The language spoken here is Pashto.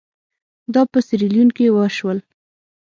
دا په سیریلیون کې وشول.